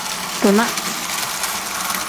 Dunaa.